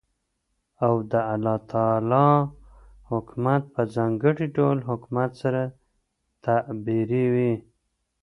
او دالله تعالى حكومت په ځانګړي ډول حكومت سره تعبيروي .